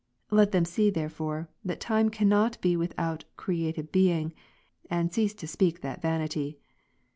Let them see therefore, that time cannot be without created being p, and cease to speak that vanity.